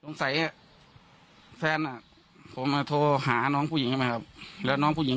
สงสัยแฟนอ่ะผมมาโทรหาน้องผู้หญิงมาครับแล้วน้องผู้หญิง